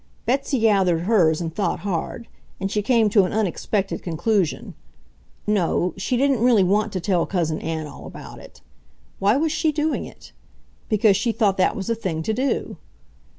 Betsy gathered hers and thought hard; and she came to an unexpected conclusion. No, she didn't really want to tell Cousin Ann all about it. Why was she doing it? Because she thought that was the thing to do.